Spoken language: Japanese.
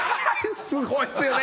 すごいっすよね